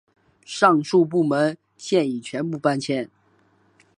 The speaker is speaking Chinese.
上述部门现已全部搬迁。